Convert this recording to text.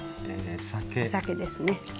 お酒ですね。